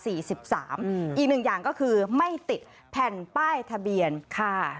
อีกหนึ่งอย่างก็คือไม่ติดแผ่นป้ายทะเบียนค่ะ